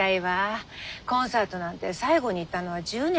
コンサートなんて最後に行ったのは１０年も前かしら。